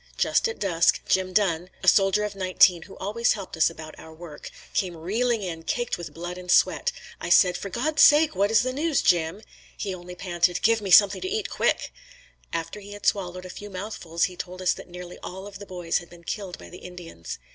Just at dusk, Jim Dunn, a soldier of nineteen who always helped us about our work, came reeling in, caked with blood and sweat. I said, "For God's sake, what is the news, Jim?" He only panted, "Give me something to eat quick." After he had swallowed a few mouthfuls, he told us that nearly all of the boys had been killed by the Indians.